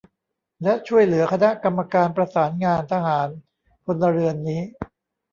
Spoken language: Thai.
และช่วยเหลือคณะกรรมการประสานงานทหาร-พลเรือนนี้